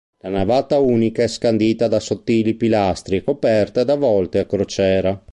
La navata unica è scandita da sottili pilastri e coperta da volte a crociera.